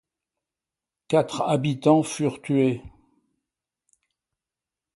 Quatre habitants furent tués.